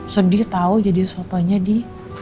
sedih tau jadi suapanya di